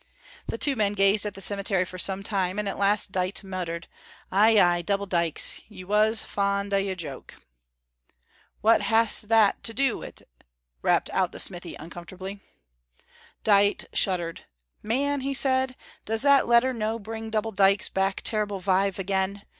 The two men gazed at the cemetery for some time, and at last Dite muttered, "Ay, ay, Double Dykes, you was aye fond o' your joke!" "What has that to do wi' 't?" rapped out the smith, uncomfortably. Dite shuddered. "Man," he said, "does that letter no bring Double Dykes back terrible vive again!